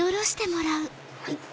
はい。